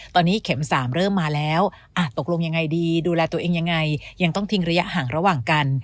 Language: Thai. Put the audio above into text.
ตอนนี้เข็ม๓เริ่มมาแล้วตกลงยังไงดีดูแลตัวเองยังไงยังต้องทิ้งระยะห่างระหว่างกัน